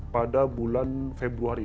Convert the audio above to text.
pada bulan februari